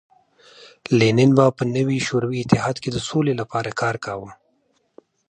لینین به په نوي شوروي اتحاد کې د سولې لپاره کار کاوه